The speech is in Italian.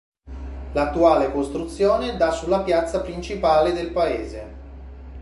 L'attuale costruzione dà sulla piazza principale del paese.